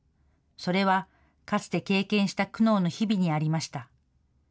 それは、かつて経験した苦悩の日々にありました。